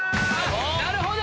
なるほど！